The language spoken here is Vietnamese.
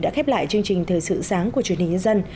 đã khép lại chương trình thời sự sáng của truyền hình nhân dân